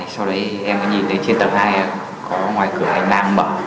sau đấy em nhìn thấy trên tầng hai có ngoài cửa hành lang mở